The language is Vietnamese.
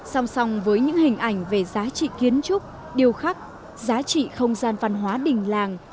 song song với những hình ảnh về giá trị kiến trúc điều khắc giá trị không gian văn hóa đình làng